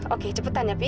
oke cepetan ya pi